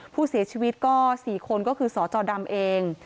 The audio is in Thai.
ผู้เสียชีวิตก็๔คนก็คือสจดำเอง